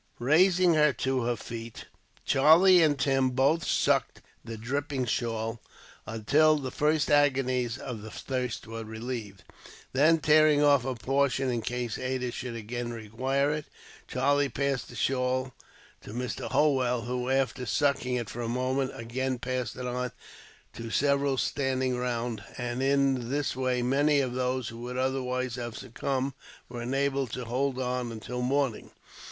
Raising her to her feet, Charlie and Tim both sucked the dripping shawl, until the first agonies of thirst were relieved. Then, tearing off a portion, in case Ada should again require it, Charlie passed the shawl to Mr. Holwell; who, after sucking it for a moment, again passed it on to several standing round; and in this way many of those, who would otherwise have succumbed, were enabled to hold on until morning.